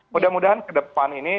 mudah mudahan ke depan ini